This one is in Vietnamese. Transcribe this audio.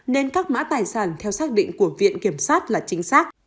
nên các mã tài sản theo xác định của viện kiểm sát là chính xác